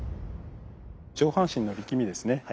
上半身の力みですね。